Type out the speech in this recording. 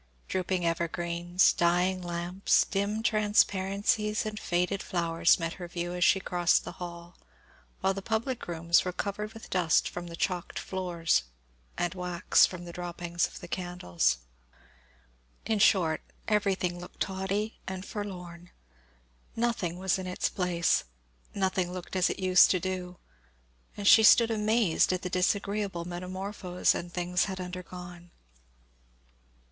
Drooping evergreens, dying lamps, dim transparencies, and faded flowers, met her view as she crossed the hall; while the public rooms were covered with dust from the chalked floors, and wax from the droppings of the candles. Everything, in short, looked tawdry and forlorn. Nothing was in its place nothing looked as it used to do and she stood amazed at the disagreeable metamorphose an things had undergone.